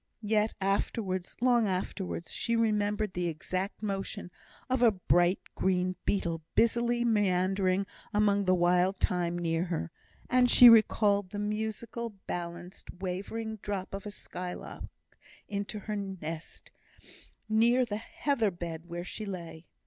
Yet afterwards, long afterwards, she remembered the exact motion of a bright green beetle busily meandering among the wild thyme near her, and she recalled the musical, balanced, wavering drop of a skylark into her nest near the heather bed where she lay.